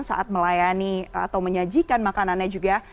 saat melayani atau menyajikan makanannya juga